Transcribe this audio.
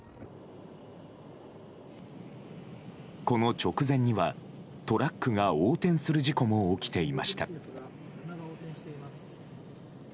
この直前には、トラックが横転する事故も起きていました。